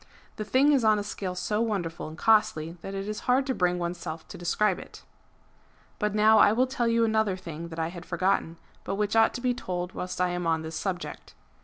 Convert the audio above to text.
The thing is on a scale so wonderful and costly that it is hard to bring oneself to describe it.* Chap. XXVI. THE KAAN'S POSTS AND RUNNERS 435 But now I will tell you another thing that I had forgotten, but which ought to be told whilst I am on this subject.